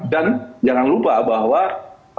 dan jangan lupa bahwa dan jangan lupa bahwa